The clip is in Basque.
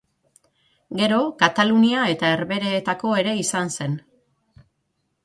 Gero Katalunia eta Herbehereetako ere izan zen.